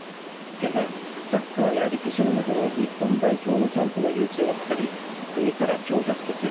県は、サッカーや陸上などの日本代表のキャンプの誘致を図り国から強化施設